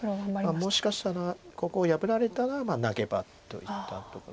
もしかしたらここ破られたらまあ投げ場といったところです。